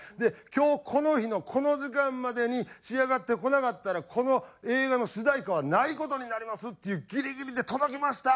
今日この日のこの時間までに仕上がってこなかったらこの映画の主題歌はない事になりますっていうギリギリで「届きました！」